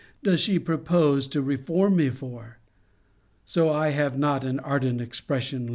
] does she propose to reform me for? So I have not an ardent expression left me.